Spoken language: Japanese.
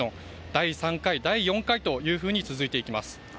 第３回、第４回というふうに続いていきます。